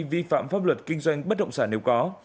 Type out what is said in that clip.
vi phạm pháp luật kinh doanh bất động sản nếu có